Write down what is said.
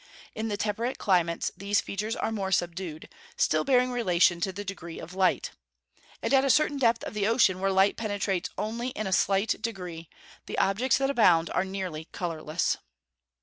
In the temperate climates these features are more subdued, still bearing relation to the degree of light. And at a certain depth of the ocean, where light penetrates only in a slight degree, the objects that abound are nearly colourless.